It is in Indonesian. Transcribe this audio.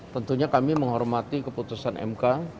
tentunya kami menghormati keputusan mk